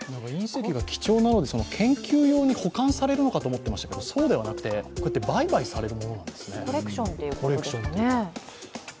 隕石が貴重なので研究用に保管されるのかと思っていましたけど、そうではなくて、売買されるものなんですね、コレクションというか。